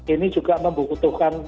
ini juga membutuhkan peralatan tersebut